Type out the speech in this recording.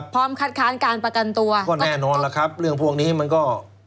คัดค้านการประกันตัวก็แน่นอนล่ะครับเรื่องพวกนี้มันก็